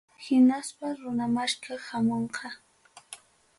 Hinaspaqa runa maskaq hamunqa.